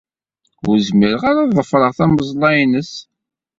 Ur zmireɣ ad ḍefreɣ tameẓla-nnes.